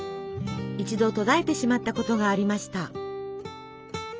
一度途絶えてしまったことがありました。